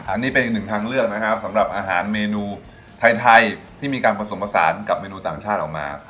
อันนี้เป็นอีกหนึ่งทางเลือกนะครับสำหรับอาหารเมนูไทยที่มีการผสมผสานกับเมนูต่างชาติออกมา